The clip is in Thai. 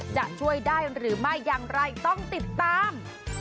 จะช่วยได้หรือไม่อย่างไรต้องติดตาม